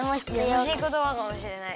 やさしいことばかもしれない。